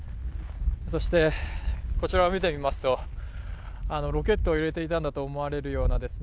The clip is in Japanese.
そしてこちらを見てみますと、ロケットを入れていたんだと思われるようなですね